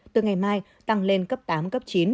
từ ngày mai tăng lên cấp tám chín